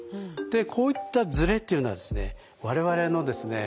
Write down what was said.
でこういったズレというのはですね我々のですね